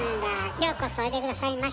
ようこそおいで下さいました。